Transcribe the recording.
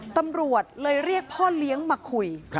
ตำรวจเลยเรียกพ่อเลี้ยงมาคุย